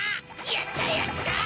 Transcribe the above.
やったやった！